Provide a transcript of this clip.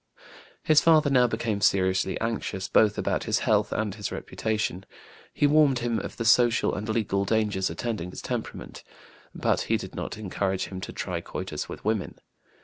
His father now became seriously anxious both about his health and his reputation. He warned him of the social and legal dangers attending his temperament. But he did not encourage him to try coitus with women.